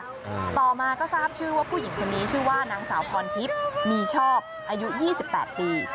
ต่อมาก็ทราบชื่อว่าผู้หญิงคนนี้ชื่อว่านางสาวพรทิพย์มีชอบอายุยี่สิบแปดปี